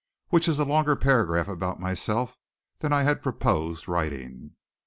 Which is a longer paragraph about myself than I had purposed writing.